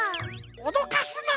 おどかすな。